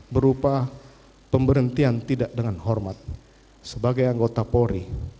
berupa pemberhentian tidak dengan hormat sebagai anggota polri